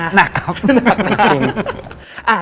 หนักครับ